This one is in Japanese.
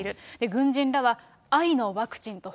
軍人らは、愛のワクチンと。